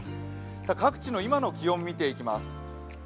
各地の今の気温を見ていきます。